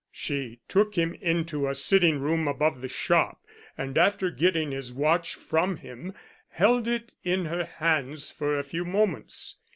"She took him into a sitting room above the shop, and after getting his watch from him held it in her hands for a few moments.